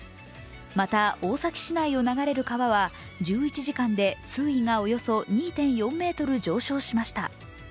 また、大崎市内を流れる川は１１時間で水位がおよそ２．４ｍ上昇しました。